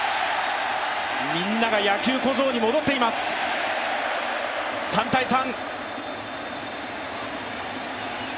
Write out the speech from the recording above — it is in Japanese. みんなが野球小僧に戻っています、３−３。